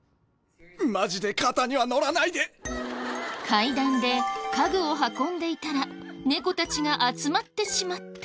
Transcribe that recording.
階段で家具を運んでいたら猫たちが集まってしまった。